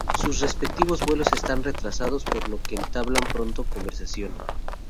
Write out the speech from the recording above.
Sus respectivos vuelos están retrasados por lo que entablan pronto conversación.